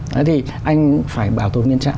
đấy thì anh phải bảo tồn nguyên trạng